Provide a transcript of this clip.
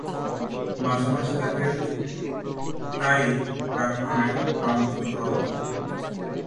মাঝেমাঝে তাকে টাই ডাকনামে নামাঙ্কিত করা হতো।